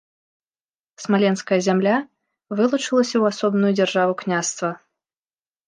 Смаленская зямля вылучылася ў асобную дзяржаву-княства.